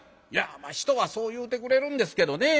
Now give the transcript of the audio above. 「人はそう言うてくれるんですけどね